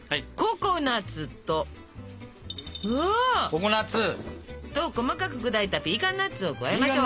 ココナツ。と細かく砕いたピーカンナッツを加えましょう。